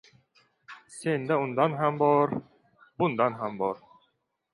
• Senda undan ham bor, bundan ham bor.